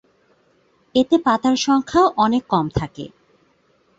এতে পাতার সংখ্যাও অনেক কম থাকে।